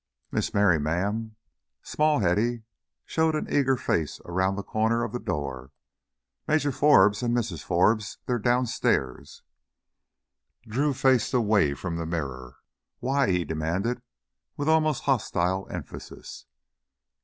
"Miss Merry, ma'am " small Hetty showed an eager face around the corner of the door "Majuh Forbes and Missus Forbes they's downstairs." Drew faced away from the mirror. "Why?" he demanded with almost hostile emphasis.